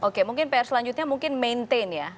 oke mungkin pr selanjutnya mungkin maintain ya